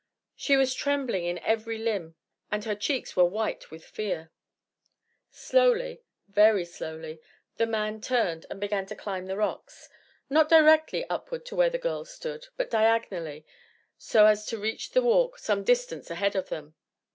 She was trembling in every limb and her cheeks were white with fear. Slowly very slowly the man turned and began to climb the rocks; not directly upward to where the girls stood, but diagonally, so as to reach the walk some distance ahead of them.